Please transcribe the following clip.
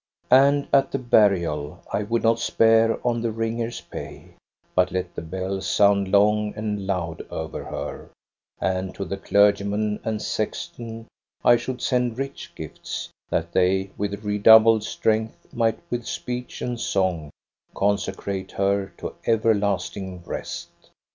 And at the burial I would not spare on the ringer's pay, but let the bells sound long and loud over her; and to the clergyman and sexton I should send rich gifts, that they with redoubled strength might with speech and song consecrate her to ever lasting rest.